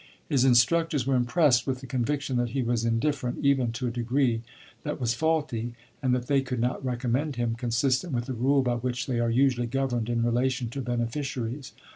His instructors were impressed with the conviction that he was indifferent, even to a degree that was faulty, and that they could not recommend him, consistent with the rule by which they are usually governed in relation to beneficiaries.